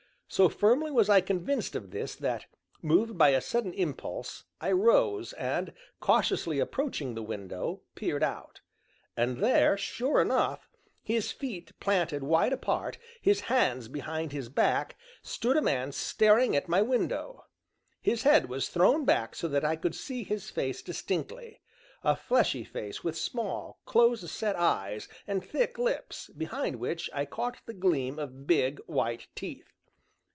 So firmly was I convinced of this that, moved by a sudden impulse, I rose, and, cautiously approaching the window, peered out. And there, sure enough, his feet planted wide apart, his hands behind his back, stood a man staring up at my window. His head was thrown back so that I could see his face distinctly a fleshy face with small, close set eyes and thick lips, behind which I caught the gleam of big, white teeth.